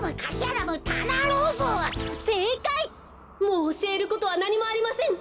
もうおしえることはなにもありません。